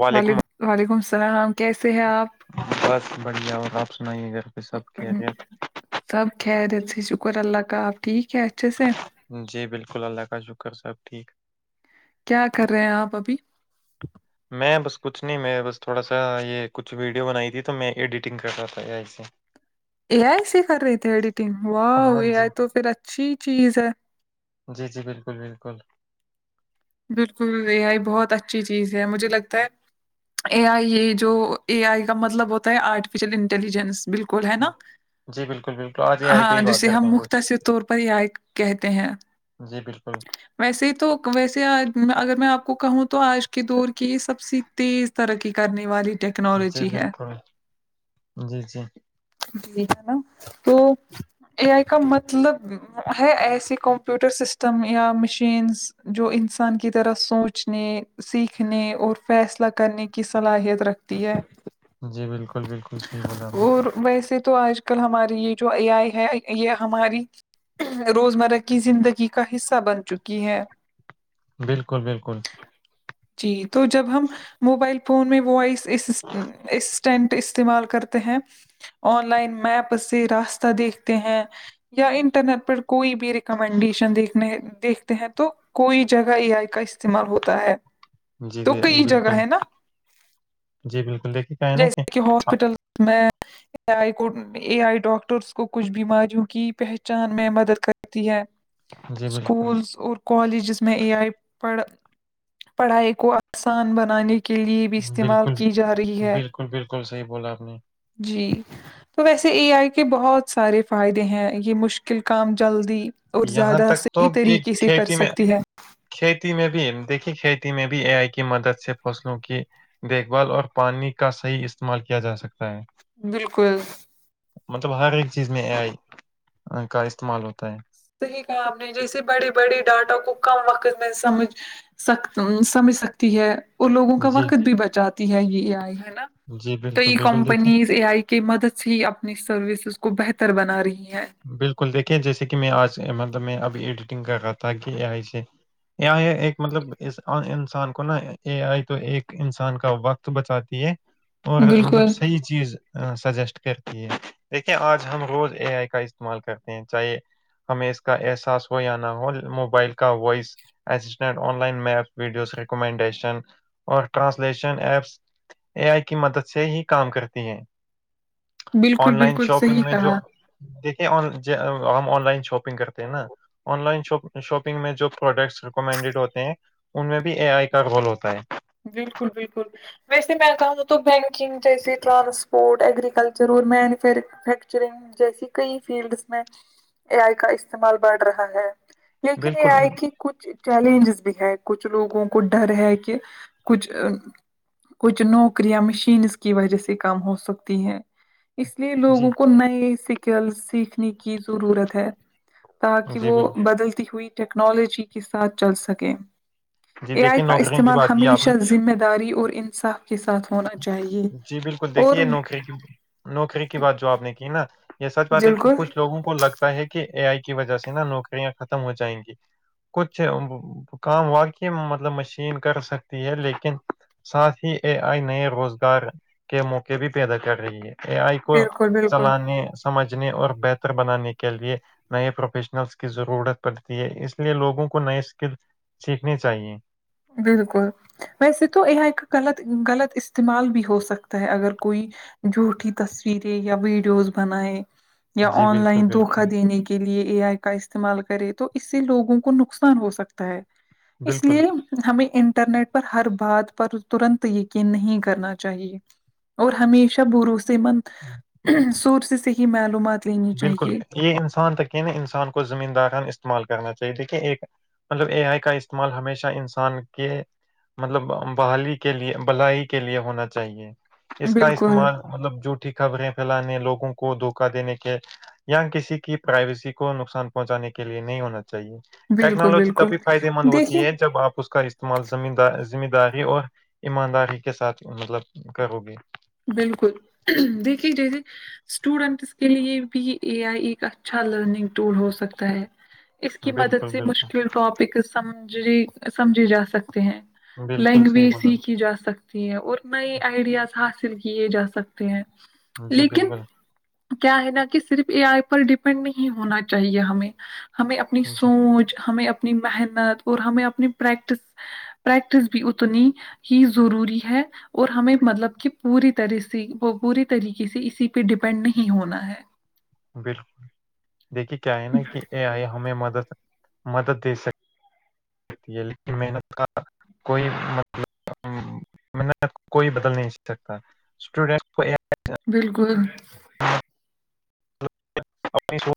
وعلیکم وعلیکم السلام کیسے ہیں آپ بس بڑھیا اور آپ سنائیے گھر پہ سب کیریت سب خیرت سے شکر اللہ کا آپ ٹھیک ہے اچھے سے جی بالکل اللہ کا شکر صاحب ٹھیک کیا کر رہے ہیں آپ ابھی میں بس کچھ نہیں میں بس تھوڑا سا یہ کچھ ویڈیو بنائی تھی تو میں ایڈیٹنگ کر رہا تھا یں سے اے آئی سےی کر رہی تھی ایڈیٹنگ و ہاں اے جی آئی تو پھر اچھی چیز ہے جی جی بالکل بالکل بالکل اے آئی بہت اچھی چیز ہے مجھے لگتا ہے اے آئی یہ جو اے آئی کا مطلب ہوتا ہے آرٹیفیشیل انٹیلیجنس بالکل ہے نا جی بالکل بالکل آج اے آئی پہ ہاں ہی بات جسے کرتے ہم ہیں کچھ مختصر طور پر کہتے ہیں جی بالکل ویسے ہی تو ویسے اگر میں آپ کو کہوں تو آج کے دور کی یہ سب سے تیز ترقی کرنے والی جی ٹیکنالوجی ہے بالکل جی جی جی ہے نا تو اے آئی کا مطلب ہے ایسی کمپیوٹر سسٹم یا مشینس جو ان انسان کی طرح سوچنے سیکھنے اور فیصلہ کرنے کی صلاحیت رکھتی ہے جی بالکل بالکل صحیح بولا ہ اور ویسے تو آج کل ہماری یہ جو اے آئی ہے یہ ہماری روزمرہ کی زندگی کا حصہ بن چکی ہے بالکل بالکل جی تو جب ہم موبائل فون میں وائس اسٹینٹ استعمال کرتے ہیں آن لائن میپ سے راستہ دیکھتے ہیں یا انٹرنیٹ پر کوئی بھی ریکمنڈیشن دیکھنے دیکھتے ہیں تو کوئی جگہ ای آئی کا استعمال ہوتا ہے جی تو کئی جگہ بالکل ہے نا جی بالکل دیکھیے کا ہے نا کہ آ- ہاسپٹل میں اے آئی کو اے آئی ڈاکٹرس کو کچھ بیماریوں کی پہچان میں مدد کرتی ہے جی بالکل اسکولس اور کالجس میں اے آئی پڑ پڑھائی کو آسان بنانے کے لیے بھی استعمال بالکل کی جا رہی ہے بالکل بالکل صحی بولا آپ نے جی تو ویسے اے آئی کے بہت سارے فائدے ہیں یہ مشکل کام جلدی اور یہاں زیادہ تک تو صحیح کہ طریقے سے کر کھیتی میں سکتی ہے کھیتی میں بھی دیکھیے کھیتی میں بھی اے آئی کی مدد سے فصلوں کی دیکھ بھال اور پانی کا صحیح استعمال کیا جا سکتا ہے بالکل مطلب ہر ایک چیز میں اے آئی کا استعمال ہوتا ہے صحی کام نہیں جیسے بڑی بڑی ڈاٹا کو کم وقت میں سمجھ سک سمجھ سکتی ہے اور لوگوں کا جی وقت بھی بچاتا یہ اے آئی ہے نا جی تو بالکل یہ بالکل دیکھیے کمپنیز اے آئی کی مدد سے ہی اپنی سروسز کو بہتر بنا رہی ہے بالکل دیکھیے جیسے کہ میں آج مطلب میں اب ایڈیٹنگ کر رہا تھا کہ آئی سے یہ ہے ایک مطلب اس انسان کو نا اے آئی تو ایک انسان کا وقت تو بچاتی ہے اور مطلب بالکل صحیح چیز سجیسٹ کرتی ہے دیکھیے آج ہم روز اے آئی کا استعمال کرتے ہیں چاہے ہمیں اس کا احساس ہو یا نہ ہو موبائل کا voice assistant online maps videos recommendation اور ٹرانسلیشن ایپس اے آئی کی مدد سے ہی کام کرتی ہیں بالکل آن لائن بالکل شاپنگ صحیح میں جو کہا دیکھیے ہم آن لائن شاپنگ کرتے ہیں نا آن لائن شاپنگ میں جو پروڈکٹس ریکومینڈیڈ ہوتے ہیں ان میں بھی اے آئی کا گول ہوتا ہے بالکل بالکل ویسے میں کہا تو بینکنگ جیسے ٹرانسپورٹ ایگرییکلچر میں فھر مفیکچرنگ جیسی کئی فیلڈس میں اے آئی کا استعمال بڑھ رہا ہے لیکن یہ بالکل آئے کہ کچھ چیلنجز بھی ہے کچھ لوگوں کو ڈر ہے کہ کچھ کچھ نوکریاں مشینس کی وجہ سے کام ہو سکتی ہیں اس لیے جی لوگوں کو نئے سکل سیکھنے کی ضرورت ہے تاکہ جی وہ بالکل بدلتی ہوئی ٹیکنالوجی کے ساتھ چل سکیں جی اے آئی دیکھیے کا نوکری کی استعمال بات کی آپ ہمیشہ نے ذمہ داری اور انصاف کے ساتھ ہونا چاہیے جی بالکل اور دیکھیے نوکری کی نوکری کی بات جو آپ نے کی نا یہ سچ بات ہے کہ بالکل کچھ لوگوں کو لگتا ہے کہ اے آئی کی وجہ سے نا نوکریاں ختم ہو جائیں گی کچھ کام واقعی مطلب مشین کر سکتی ہے لیکن ساتھ ہی اے آئی نئے روزگار ار کے موقع بھی پیدا کر رہی ہے اے آئی کو بالکل بالکل چلانے سمجھنے اور بہتر بنانے کے لیے نئے پروفیشنلس کی ضرورت پڑتی ہے اس لیے لوگوں کو نئے اسکل سیکھنے چاہیے بالکل ویسے تو یہ ایک غلط غلط استعمال بھی ہو سکتا ہے اگر کوئی جھوٹیھی تصویریں یا ویڈیوز بنیں یا جی آن بالکل لائن دھوکا بالکل دینے کی لیے اے آئی کا استعمال کرے تو اس سے لوگوں کو نقصان ہو سکتا ہے اس بالکل لیے ہمیں انٹرنیٹ پر ہر بات پر ترنت یقین نہیں کرنا چاہیے اور ہمیشہ بھروسے مند سور سے سے ہی معلومات لینی بالکل چاہیے یہ انسان ت کہ نا انسان کو زمین داران استعمال کرنا چاہیے دیکھیے ایک مطلب اے آئی کا استعمال ہمیشہ انسان کے مطلب بحالی کے لیے بلائی کے لیے ہونا چاہیے اس کا بالکل استعمال مطلب جھوٹھی خبریں پھیلانے لوگوں کو دھوکا دینے کے یا کسی کی پرائیویسی کو نقصان پہنچانے کے لیے نہیں ہونا چاہیے بالکل ٹیکنالوجی بالکل تبھی فائدے مند دیکھیے ہوتی ہے جب آپ اس کا ر استعمال زم دار ذمہ داری اور ایمانداری کے ساتھ مطلب کرو گے بالکل دیکھیے جیے اسٹوڈنٹس کے لیے بھی اے آئی ایک اچھا لرننگ ٹور ہو سکتا ہے اس کی مدد بالکل سے بالکل مشکل ٹاپک سمج سمجھے جا سکتے ہیں بالکل صحیح لینگویج بولا سیک کیھی جا سکتی اور نئے آئیڈیاز حاصل کیے جا سکتے ہیں جی لیکن بالکل کیا ہے نا کہ صرف اے آئی پر ڈیپینڈ نہیں ہونا چاہیے ہمیں ہمیں اپنی جی سوچ ہمیں اپنی محنت اور ہمیں اپنی پریکٹس پریکٹس بھی اتنی ہی ضروری ہے اور ہمیں مطلب کہ پوری طرح سے وہ پوری طریقے سے اسی پہ ڈیپینڈ نہیں ہونا ہے بالکل دیکھیے کیا ہے نا کہ اے آئی ہمیں مدد مدد دے سک یہیل کہ محنت کا کوئی مطلب م کوئی بدل نہیں س سکتا اسٹوڈینٹ کو بالکل س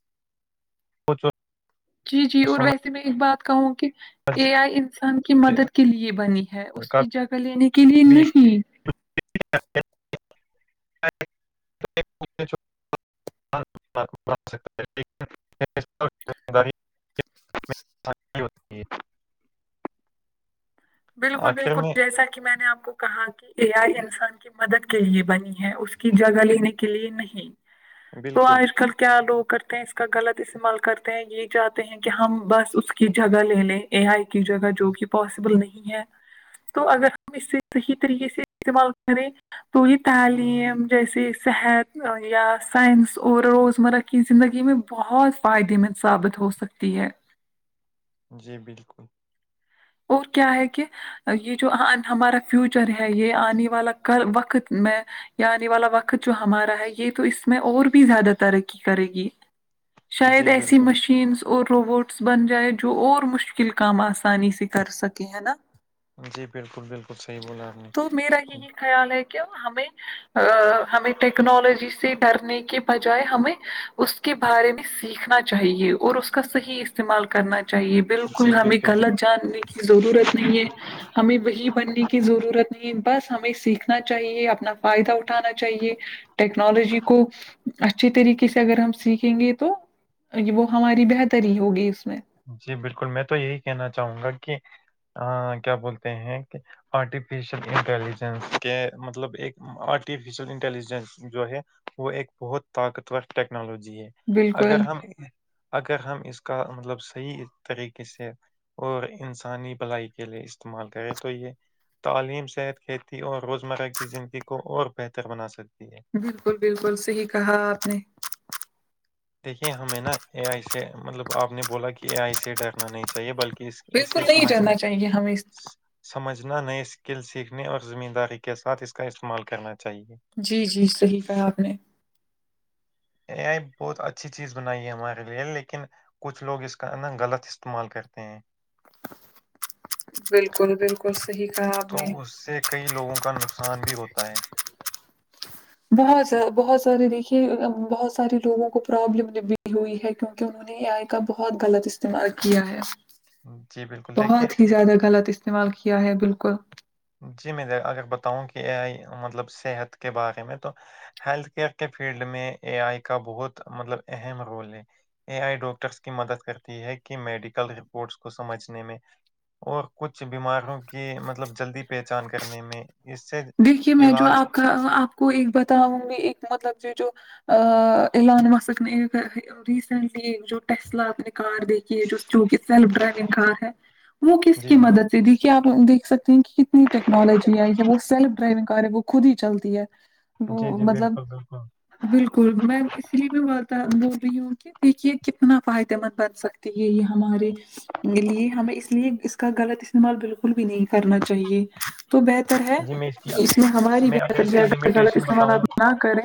جی جی اور ویسے میں ایک بات کہوں کہ اے آئی انسان کی مدد کے لیے بنی ہے اس کا کی جگہ لینے کے لیے بھی نہیں استعمال بنا سکتا ہے لیکن اس پر ذمہ داری انسان کی ہوتی ہے بالکل آخر بالکل میں جیسا کہ میں نے آپ کو کہاں کی اے آئی انسان کی مدد کے لیے بنی ہے اس کی جگہ لینے کے لیے نہیں تو بالکل آج کل کیا لوگ کرتے ہیں اس اس کا غلط استعمال کرتے ہیں یہ جاہتے ہیں کہ ہم بس اس کی جگہ لے لیں یہ ایک ہی جگہ جو کہ پاسیبل نہیں ہے تو اگر ہم اس سے صحیح طریقے سے استعمال کریں تو یہ تعلیم جیسے صحت یا سائنس اور روزمرہ کی زندگی میں بہت فائدے مند ثابت ہو سکتی ہے جی بالکل اور کیا ہے کہ یہ جو ہمارا فیوچر ہے یہ آنے والا وقت میں آنے والا وقت جو ہمارا ہے یہ تو اس میں اور بھی زیادہ ترقی کرے گی شاید جی ایسی بالکل مشینس اور روبوٹس بن جائے جو اور مشکل کام آسانی سے کر سکے ہے نا جی بالکل بالکل صحیح بولا آپ نے تو میرا یہی خیال ہے کہ ہمیں ہمیں ٹیکنالوجی سے ڈرنے کے بجائے ہمیں اس کے بارے میں سیکھنا چاہیے اور اس کا صحیح استعمال کرنا چاہیے بالکل ہمیں غلط جاننے کی ضرورت نہیں ہے ہمیں وہی بننے کی کی ضرورت نہیں ہے بس ہمیں سیکھنا چاہیے اپنا فائدہ اٹھانا چاہیے ٹیکنالوجی کو اچھی طریقے سے اگر ہم سیکھیں گے تو وہ ہماری بہتری ہوگی اس میں جی بالکل میں تو یہی کہنا چاہوں گا کہ کیا بولتے ہیں کہ آرٹیفیشیل انٹیلیجنس کے مطلب ایک آرٹیفیشیل انٹیلیجنس جو ہے وہ ایک بہت طاقتور ٹیکنالوجی ہے بالکل اگر ہم اگر ہم اس کا مطلب صحیح طریقے سے اور انسانی بھلائی کے لیے استعمال کرے تو یہ تعلیم صحت کھیتی اور روزمرہ کی زندگی کو اور بہتر بنا سکتی ہے بالکل بالکل صحیح کہا آپ نے دیکھیے ہمیں نا اے آئی سے مطلب آپ نے بولا کہ اے آئی سے ڈرنا نہیں چاہیے بلکہ اس بالکل اسے نہیں سمجھ ڈرنا چاہیے ہمیں سمجھنا نئے اسکل سیکھنے اور ذمہ داری کے ساتھ اس کا استعمال کرنا چاہیئے جی جی صحیح کہا آپ نے اے آئی بہت اچھی چیز بنائی ہے ہمارے لیے لیکن کچھ لوگ اس کا نا غلط استعمال کرتے ہیں بالکل بالکل صحیح کہا آپ تو نے اس سے کئی لوگوں کا نقصان بھی ہوتا ہے بہت بہت سارے دیکھیے بہت سارے لوگوں کو پرابلم بھی ہوئی ہے کیونکہ انہوں نے نے اے ائی کا بہت غلط استعمال کیا ہے جی بالکل دیکھیے بہت ہی زیادہ غلط استعمال کیا ہے بالکل جی میں اگر بتاؤں کہ اے آئی مطلب صحت کے بارے میں تو ہیلتھ کیئر کے فیلڈ میں اے آئی کا بہت مطلب اہم رول ہے اے آئی ڈاکٹرس کی مدد کرتی ہے میڈیکل رپورٹس کو سمجھنے میں اور کچھ بیماریوں کی مطلب جلدی پہچان کرنے میں اس سے دیکھیے میں جو علاج آپ کا آپ کو ایک بتاؤں گی ایک مطلب کہ جو ایلون مسک نے ریسینٹلی ایک جو ٹسل اپ نے کار دیکھی ہے جو جوک سیلف ڈرائیونگ کار ہے وہ کس جی کی جی مدد سے دیکھیے آپ دیکھ سکتے ہیں کہ کتنی ٹیکنالوجی آئی یا وہ سیلف ڈرائیونگ وہ خود ہی چلتی ہے جی وہ جی مطلب بالکل بالکل بالکل میںم اس لیے بھی بتا بول رہی ہوں کہ دیکھیے کتنا فائدے مند بن سکتی ہے یہ ہمارے لیے ہمیں اس لیے اس کا غلط استعمال بالکل بھی نہیں کرنا چاہیے تو بہتر ہے جی میں کی کہ اس میں ہماری میں بہتر اس کی ہے اگر غلط لمیٹیشن استعمالات بتاؤں نہ کریں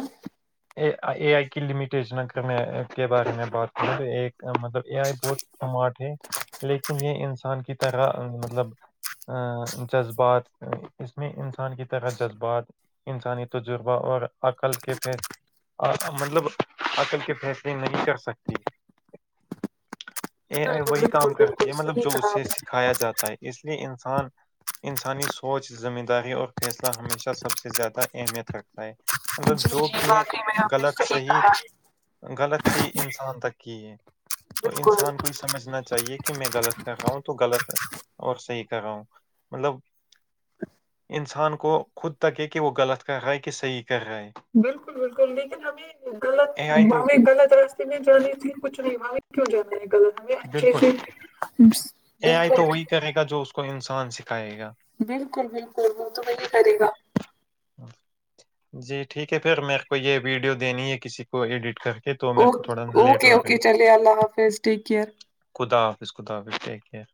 اے آئی کی لمیٹیشن اگر میں کے بارے میں بات کروں تو مطلب اے آئی بہت ماٹ ہے لیکن یہ انسان کی طرح مطلب جذبات اس میں انسان کی طرح جذبات انسانی تجربہ اور عقل کے مطلب عقل کے فیصلے نہیں کر سکتے اے ای بالکل وہی بالکل کام کرتی بالکل ہے مطلب صحیح جو کہا اسے آپ نے سکھایا جاتا ہے اس لیے انسان انسانی سوچ ذمہ داری اور فیصلہ ہمیشہ سب سے زیادہ اہمیت رکھتی ہے مطلب جی جو جی بھی ہے واقعی میں آپ نے غلط صحیح کہا ہے غلط سےی انسان تک کی ہے تو بالکل انسان کو ہی سمجھنا چاہیے کہ میں غلط کر رہا ہوں تو غلط اور صحیح کر رہا ہوں مطلب [unintelligible] انسان کو خود تک ہے کہ وہ غلط کر رہا ہے کہ صحیح کر رہا ہے بالکل بالکل لیکن ہمیں غلط اے آئی تو ہمیں غلط ر ج میں جانی تھی کچ نہیں ما کیوں جانا ہے کل ہم اچھے سے بالکل بالکل کہے گا جو اس کو انسان سکھائے گا بالکل بالکل وہ تو میں یہ کرے گا جی ٹھیک ہے پھر میر کو یہ ویڈیو دینی ہے کسی کو ایڈٹ کر کے تو میرے اوک کو تھوڑا لیٹ اوکے ہو رہا اوکے ہے چلے اللہ حافظ ٹیک کیئر خدا حافظ خدا حافظ ٹیک کیر